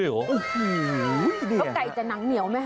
แล้วไก่จะหนังเหนียวไหม